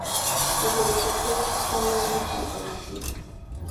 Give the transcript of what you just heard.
Los helicópteros son la única alternativa.